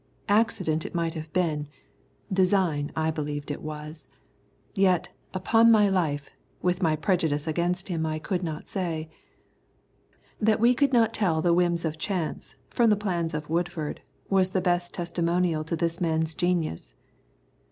Accident it might have been, design I believed it was. Yet, upon my life, with my prejudice against him I could not say. That we could not tell the whims of chance from the plans of Woodford was the best testimonial to this man's genius.